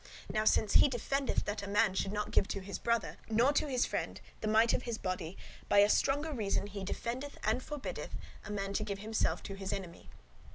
Now, since he defendeth [forbiddeth] that a man should not give to his brother, nor to his friend, the might of his body, by a stronger reason he defendeth and forbiddeth a man to give himself to his enemy.